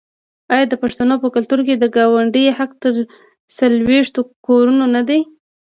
آیا د پښتنو په کلتور کې د ګاونډي حق تر څلوېښتو کورونو نه دی؟